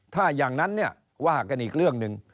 ถ้าอย่างนั้นเนี่ยว่ากันอีกเรื่องหนึ่ง